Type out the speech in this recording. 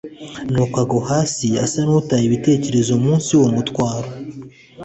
nuko agwa hasi asa n'utaye ibitekerezo, munsi y'uwo mutwaro.